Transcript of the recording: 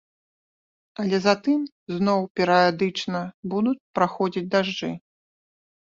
Але затым зноў перыядычна будуць праходзіць дажджы.